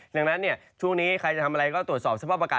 ดังนั้นช่วงนี้ใครจะทำอะไรก็ตรวจสอบสภาพอากาศ